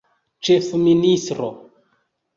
ĉefministro